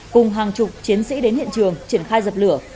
cùng hàng chục chiến sĩ đến hiện trường triển khai dập lửa